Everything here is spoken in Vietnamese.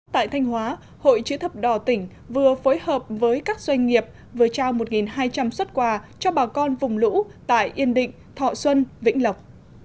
tại thanh hóa hội chữ thập đỏ tỉnh vừa phối hợp với các doanh nghiệp vừa trao một hai trăm linh xuất quà cho bà con vùng lũ tại yên định thọ xuân vĩnh lộc